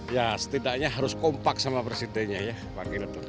ya setidaknya harus kompak sama presidennya ya